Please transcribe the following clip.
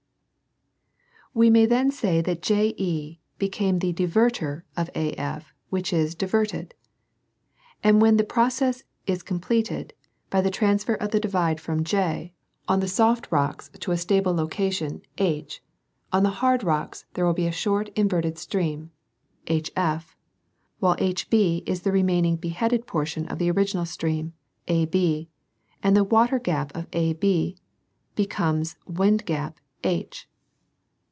We may then say that JE becomes the divertor of AF, which is diverted y' and when the process is completed, by the transfer of the divide from J, on the soft rocks, to a stable location, H, on the hard rocks, there will be a short inverted stream, HF ; while HB is the remaining beheaded 'portion of the original stream, AB, and the water gap of AB becomes a wind gap, H.